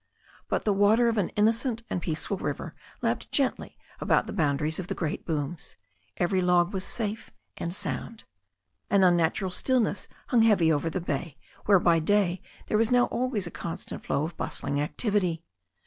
But the waters of an innocent and peaceful river lapped gently about the boundaries of the great booms. Every log was safe and sound. An unnatural stillness hung heavy over the bay, where by day there was now always a constant flow of bustling ac tivity.